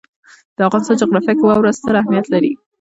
د افغانستان جغرافیه کې واوره ستر اهمیت لري.